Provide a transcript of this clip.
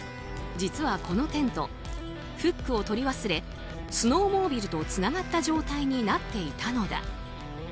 実は、このテントフックを取り忘れスノーモービルとつながった状態になっていたのだ。